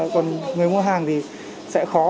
còn người mua hàng thì sẽ khó